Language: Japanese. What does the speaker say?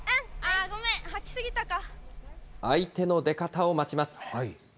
相手の出方を待ちます。